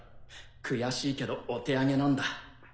悔しいけどお手上げなんだ。